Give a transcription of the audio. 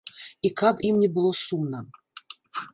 І каб ім не было сумна.